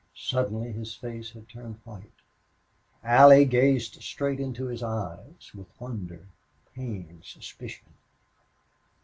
Suddenly his face had turned white. Allie gazed straight into his eyes, with wonder, pain, suspicion.